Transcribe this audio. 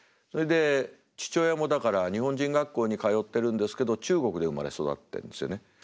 それで父親もだから日本人学校に通ってるんですけど中国で生まれ育ってんですよね。